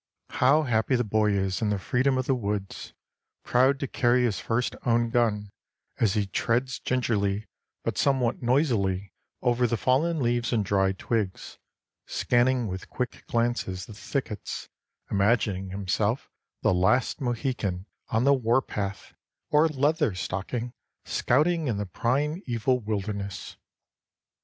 How happy the boy is in the freedom of the woods; proud to carry his first own gun, as he treads gingerly but somewhat noisily over the fallen leaves and dry twigs, scanning with quick glances the thickets, imagining himself the last Mohican on the warpath, or Leather Stocking scouting in the primeval wilderness.